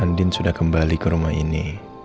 andin sudah kembali ke rumah ini